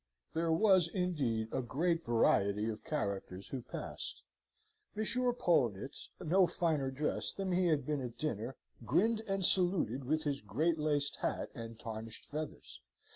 There was, indeed, a great variety of characters who passed. M. Poellnitz, no finer dressed than he had been at dinner, grinned, and saluted with his great laced hat and tarnished feathers.